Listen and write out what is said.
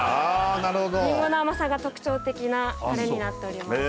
なるほどリンゴの甘さが特徴的なタレになっております